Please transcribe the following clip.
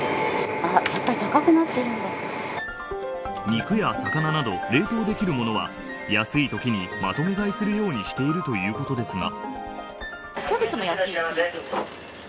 肉や魚など冷凍できるものは安いときにまとめ買いするようにしているということですが。